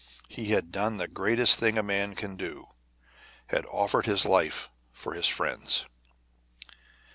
He had done the greatest thing a man can do had offered his life for his friends.